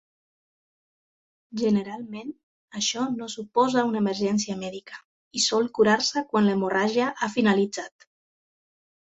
Generalment, això no suposa una emergència mèdica i sol curar-se quan l'hemorràgia ha finalitzat.